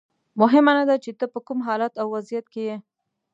مهمه نه ده چې ته په کوم حالت او وضعیت کې یې.